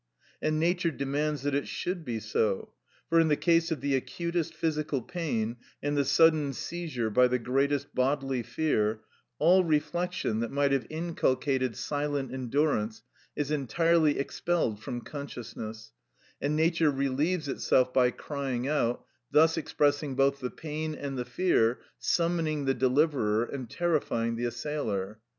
And nature demands that it should be so; for in the case of the acutest physical pain, and the sudden seizure by the greatest bodily fear, all reflection, that might have inculcated silent endurance, is entirely expelled from consciousness, and nature relieves itself by crying out, thus expressing both the pain and the fear, summoning the deliverer and terrifying the assailer.